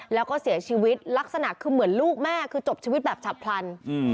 แล้วก็เสียชีวิตลักษณะคือเหมือนลูกแม่คือจบชีวิตแบบฉับพลัน